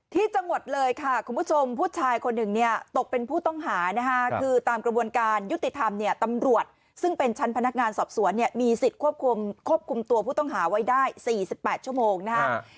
ที่จังหวัดเลยค่ะคุณผู้ชมผู้ชายคนหนึ่งเนี่ยตกเป็นผู้ต้องหานะคะคือตามกระบวนการยุติธรรมเนี่ยตำรวจซึ่งเป็นชั้นพนักงานสอบสวนเนี่ยมีสิทธิ์ควบคุมตัวผู้ต้องหาไว้ได้๔๘ชั่วโมงนะครับ